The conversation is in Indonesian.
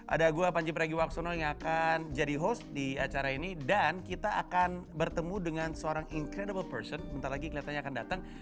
ada gue panji pregiwaksono yang akan jadi host di acara ini dan kita akan bertemu dengan seorang incredible person